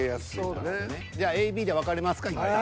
じゃあＡＢで分かれますか一旦。